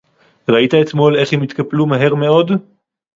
ראית אתמול איך הם התקפלו מהר מאוד